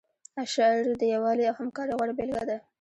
اشر د یووالي او همکارۍ غوره بیلګه ده.